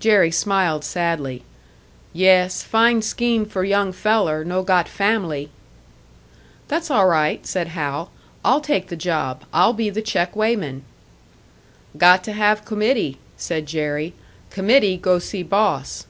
Jerry smiled sadly. "Yes, fine scheme for young feller no got family!" "That's all right," said Hal, "I'll take the job I'll be the check weighman." "Got to have committee," said Jerry "committee go see boss."